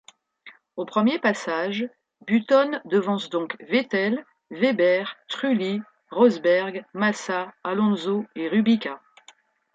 Au premier passage, Button devance donc Vettel, Webber, Trulli, Rosberg, Massa, Alonso et Kubica.